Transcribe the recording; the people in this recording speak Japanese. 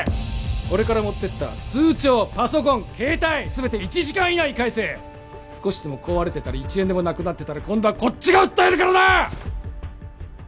俺から持ってった通帳パソコン携帯全て１時間以内に返せ少しでも壊れてたり１円でもなくなってたら今度はこっちが訴えるからな！